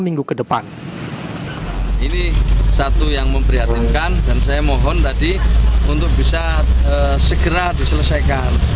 ini satu yang memprihatinkan dan saya mohon tadi untuk bisa segera diselesaikan